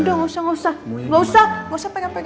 udah enggak usah enggak usah enggak usah pegang pegang